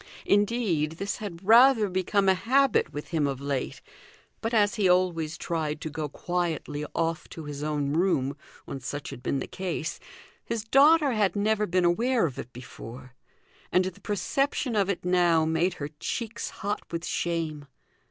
Indeed, this had rather become a habit with him of late; but as he always tried to go quietly off to his own room when such had been the case, his daughter had never been aware of it before, and the perception of it now made her cheeks hot with shame.